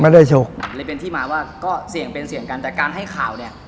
ฉกเลยเป็นที่มาว่าก็เสี่ยงเป็นเสี่ยงกันแต่การให้ข่าวเนี่ย